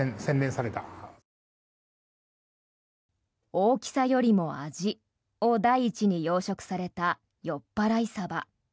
大きさよりも味を第一に養殖されたよっぱらいサバ。